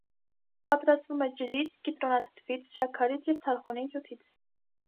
Պատրաստվում է ջրից, կիտրոնաթթվից, շաքարից և թարխունի հյութից։